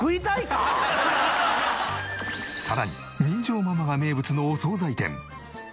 さらに人情ママが名物のお惣菜店。